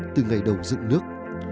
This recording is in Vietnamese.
từ ngày đầu dựng nước